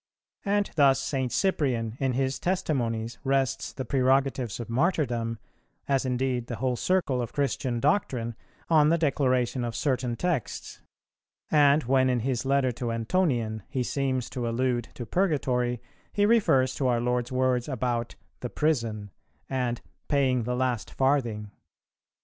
And thus St. Cyprian, in his Testimonies, rests the prerogatives of martyrdom, as indeed the whole circle of Christian doctrine, on the declaration of certain texts; and, when in his letter to Antonian he seems to allude to Purgatory, he refers to our Lord's words about "the prison" and "paying the last farthing."